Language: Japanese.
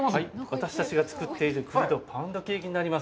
私たちがつくっている栗のパウンドケーキになります。